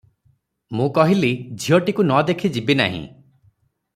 ମୁଁ କହିଲି ଝିଅଟିକୁ ନ ଦେଖି ଯିବି ନାହି ।